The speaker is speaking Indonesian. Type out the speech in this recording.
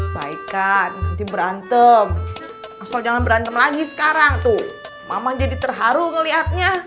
baikan berantem soal jalan berantem lagi sekarang tuh mama jadi terharu ngelihatnya